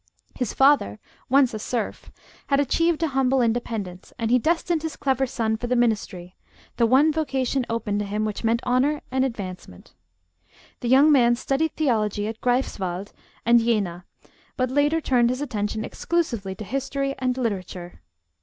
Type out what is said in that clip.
His father, once a serf, had achieved a humble independence, and he destined his clever son for the ministry, the one vocation open to him which meant honor and advancement. The young man studied theology at Greifswald and Jena, but later turned his attention exclusively to history and literature.